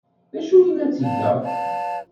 D acu ay la ttgeɣ?